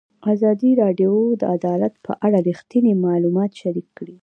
ازادي راډیو د عدالت په اړه رښتیني معلومات شریک کړي.